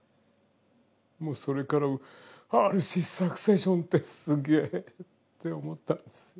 もうそれからＲＣサクセションってすげえって思ったんですよ。